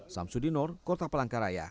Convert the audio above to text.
samsudinor kota pelangkaraya